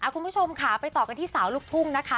คุณผู้ชมค่ะไปต่อกันที่สาวลูกทุ่งนะคะ